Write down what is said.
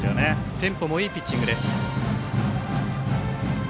テンポもいいピッチングです。